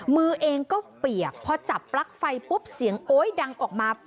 มือเองก็เปียกพอจับปลั๊กไฟปุ๊บเสียงโอ๊ยดังออกมา